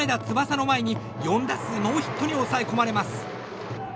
翼の前に４打数ノーヒットに抑え込まれます。